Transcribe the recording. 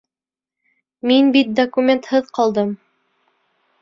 Мин бит документһыҙ ҡалдым!